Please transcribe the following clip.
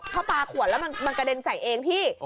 เพราะปลาขวดแล้วมันกระเด็นใส่เองพี่